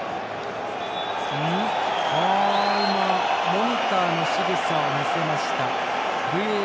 モニターのしぐさを見せました。